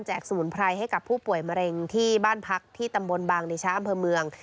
สมุนไพรให้กับผู้ป่วยมะเร็งที่บ้านพักที่ตำบลบางเดชะอำเภอเมือง